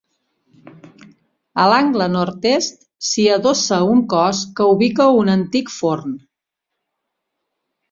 A l'angle Nord-est s'hi adossa un cos que ubica un antic forn.